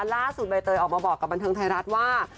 ลาสุดไปเตยออกมาบอกกับบันเทิงไทรัศน์ว่า